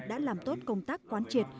đã làm tốt công tác quán triệt